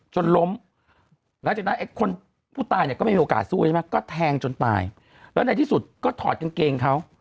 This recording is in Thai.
จนล้มหลังจากนั้นไอ้คนผู้ตายเนี่ยก็ไม่มีโอกาสสู้ใช่ไหมก็แทงจนตายแล้วในที่สุดก็ถอดกางเกงเขา